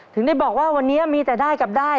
ถึงได้บอกว่าวันนี้มีแต่ได้กับได้